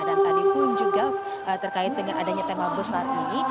dan tadi pun juga terkait dengan adanya tema bos saat ini